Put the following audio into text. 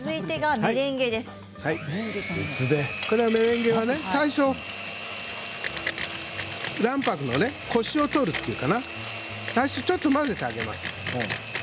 メレンゲはね、最初卵白のコシを取るというのかな最初ちょっと混ぜてあげます。